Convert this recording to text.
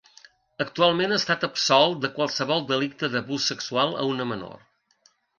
Actualment ha estat absolt de qualsevol delicte d'abús sexual a una menor.